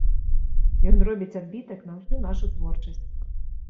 Ён робіць адбітак на ўсю нашу творчасць.